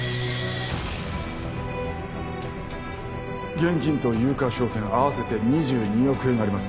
現金と有価証券合わせて２２億円あります